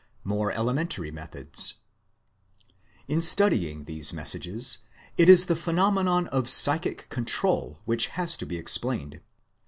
More Elementary Methods In studying these messages, it is the phenomenon of psychic control which has to be explained.